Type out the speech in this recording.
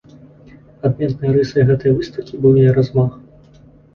Адметнай рысай гэтай выстаўкі быў яе размах.